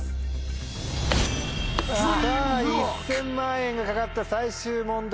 さぁ１０００万円が懸かった最終問題